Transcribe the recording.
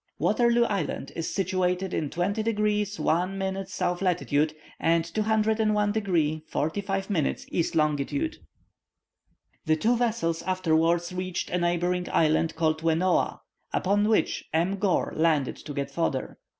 Wateroo Island is situated in 20 degrees 1 minute south latitude, and 201 degrees 45 minutes east longitude. The two vessels afterwards reached a neighbouring island called Wenooa, upon which M. Gore landed to get fodder.